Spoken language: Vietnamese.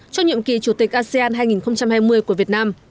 cho nhiệm kỳ chủ tịch asean hai nghìn hai mươi của việt nam